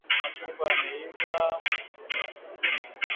Machungwa yameiva.